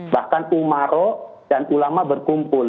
bahkan umaro dan ulama berkumpul